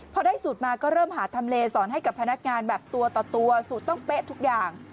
พอได้สูตรมาก็เริ่มหาทำเลสอนให้กับพนักงานแบบตัวต่อตัวสูตรต้องเป๊ะทุกอย่าง